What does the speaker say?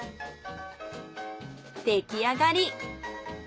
出来上がり。